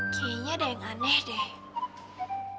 kayaknya ada yang aneh deh